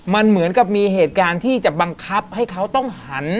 มันเหมือนกับมีเหตุการณ์ที่จะบังคับให้เขาต้องหัน